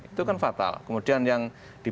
itu kan fatal kemudian yang di